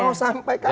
mau sampai kapan